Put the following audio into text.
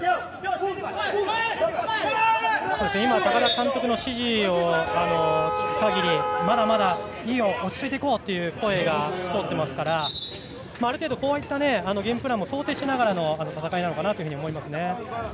高田監督の指示を聞く限りまだまだいいよ、落ち着いていこうという声が通っていますから、ある程度こういったゲームプランも想定しながらの戦いなのかなと思います。